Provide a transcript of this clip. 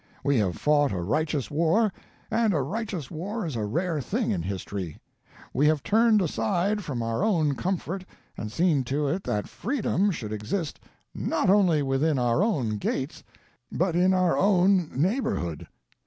We have fought a righteous war, and a righteous war is a rare thing in history. We have turned aside from our own comfort and seen to it that freedom should exist not only within our own gates, but in our own neighborhood.